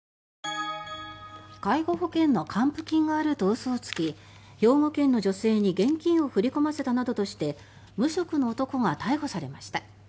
介護保険の還付金があると嘘をつき兵庫県の女性に現金を振り込ませたなどとして無職の男が逮捕されました。